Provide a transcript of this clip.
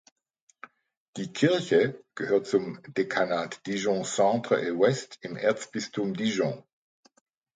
Die Kirche gehört zum Dekanat Dijon Centre et Ouest im Erzbistum Dijon.